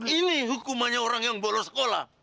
ini hukumannya orang yang bolos sekolah